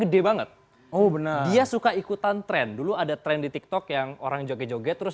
gede banget oh bener dia suka ikutan tren dulu ada tren di tiktok yang orang joget joget terus